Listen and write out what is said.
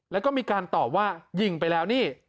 แล้วก็มีการตอบว่ายิงไปแล้วนี่